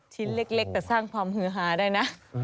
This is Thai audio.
ชิ้นเล็กแต่สร้างความฮือหาได้นะ